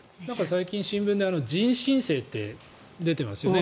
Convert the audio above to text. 最近、新聞で人新世って出ていますよね。